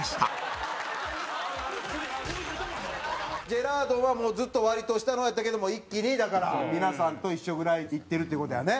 ジェラードンはもうずっと割と下の方やったけども一気にだから皆さんと一緒ぐらいいってるって事やね。